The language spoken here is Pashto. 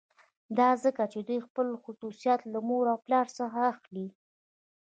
دا ځکه چې دوی خپل خصوصیات له مور او پلار څخه اخلي